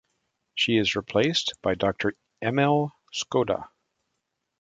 She is replaced by Doctor Emil Skoda.